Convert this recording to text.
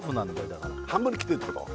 だから半分に切ってるってこと？